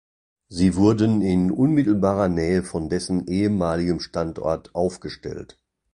Sie wurden in unmittelbarer Nähe von dessen ehemaligem Standort aufgestellt.